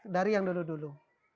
dari yang dulu dulu